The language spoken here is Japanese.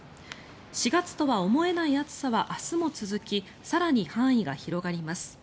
４月とは思えない暑さは明日も続き更に範囲が広がります。